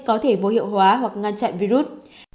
có thể vô hiệu hóa hoặc ngăn chặn virus